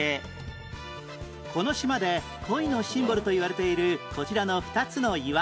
この島で恋のシンボルといわれているこちらの２つの岩